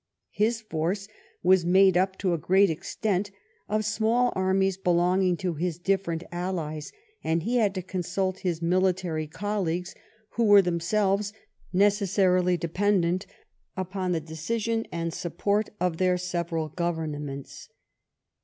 His force was made up, to a great extent, of small armies belonging to his different allies, and he had to consult his military colleagues, who were them selves necessarily dependent upon the decision and the support of their several governments.